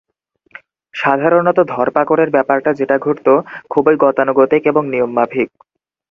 সাধারণত ধরপাকরের ব্যাপারটা যেটা ঘটতো – খুবই গতানুগতিক এবং নিয়ম মাফিক।